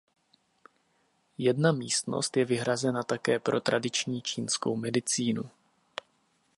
Jedna místnost je vyhrazena také pro tradiční čínskou medicínu.